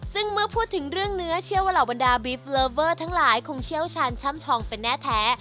ซึ่งเมื่อพูดถึงเรื่องเนื้อเชื่อว่าเหล่าบรรดาบีฟเลิฟเวอร์ทั้งหลายคงเชี่ยวชาญช่ำชองเป็นแน่แท้